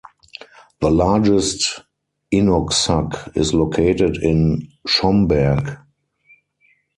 The largest inuksuk is located in Schomberg.